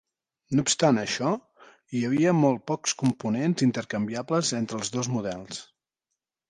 No obstant això, hi havia molt pocs components intercanviables entre els dos models.